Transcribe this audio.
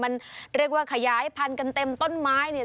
มันเรียกว่าขยายพันธุ์กันเต็มต้นไม้เนี่ย